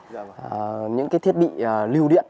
đó là những thiết bị lưu điện